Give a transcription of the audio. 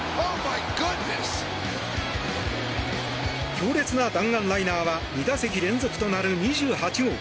強烈な弾丸ライナーは２打席連続となる２８号。